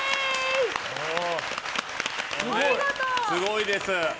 すごいです。